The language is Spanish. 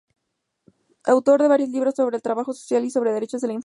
Autor de varios libros sobre Trabajo Social y sobre Derechos de la Infancia.